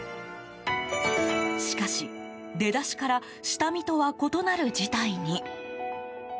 しかし、出だしから下見とは異なる事態に。